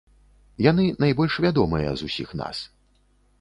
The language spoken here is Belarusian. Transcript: Яны найбольш вядомыя з усіх нас.